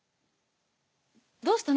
どうしたの？